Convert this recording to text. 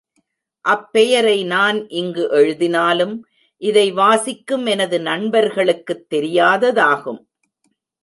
அப்பெயரை நான் இங்கு எழுதினாலும், இதை வாசிக்கும் எனது நண்பர்களுக்குத் தெரியாததாகும்.